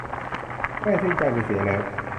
แม่สิ้นใจไปเสียแล้ว